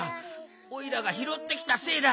おいらがひろってきたせいだ。